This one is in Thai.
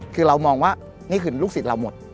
คือเรามองว่านี่คือลูกศิษย์เราหมด